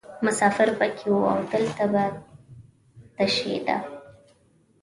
مسافر پکې وو او دلته به تشیده.